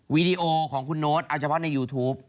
วีดีโอของคุณโน๊ตเอาเฉพาะในยูทูป